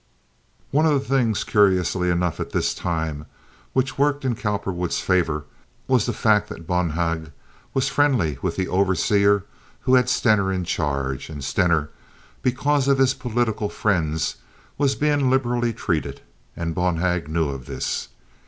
One of the things curiously enough at this time, which worked in Cowperwood's favor, was the fact that Bonhag was friendly with the overseer who had Stener in charge, and Stener, because of his political friends, was being liberally treated, and Bonhag knew of this.